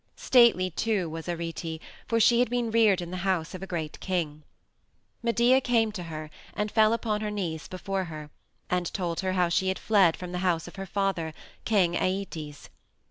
Stately, too, was Arete, for she had been reared in the house of a great king. Medea came to her, and fell upon her knees before her, and told her how she had fled from the house of her father, King Æetes.